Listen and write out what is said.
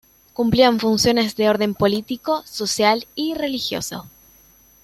Cumplían funciones de orden político, social y religioso—.